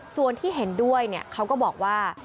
ส่วนที่เห็นด้วยเขาก็บอกว่า